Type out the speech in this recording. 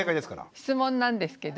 質問なんですけど。